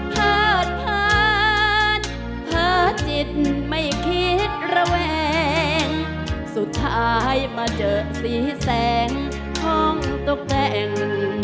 เพิดเพิดเพิดจิตไม่คิดระแวงสุดท้ายมาเจอสีแสงของตุ๊กแจ้ง